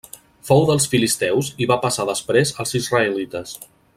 Fou dels filisteus i va passar després als israelites.